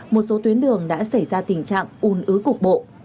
một số tuyến đường đã xảy ra tình trạng un ứ cục bộ